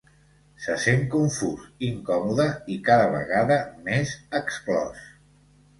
Se sent confús, incòmode, i cada vegada més exclòs.